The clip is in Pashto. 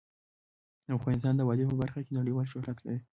افغانستان د وادي په برخه کې نړیوال شهرت لري.